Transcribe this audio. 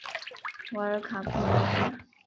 瓦尔卡布雷尔。